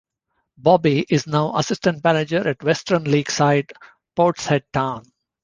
Bobby is now assistant manager at Western League side Portishead Town.